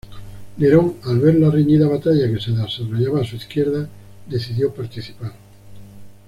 Nerón, al ver la reñida batalla que se desarrollaba a su izquierda, decidió participar.